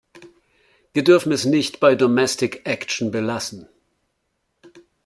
Wir dürfen es nicht bei domestic action belassen.